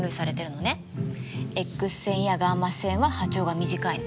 Ｘ線やガンマ線は波長が短いの。